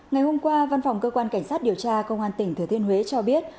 ngày hôm qua văn phòng cơ quan cảnh sát điều tra công an tỉnh thừa thiên huế cho biết